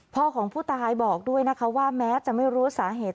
ของผู้ตายบอกด้วยนะคะว่าแม้จะไม่รู้สาเหตุ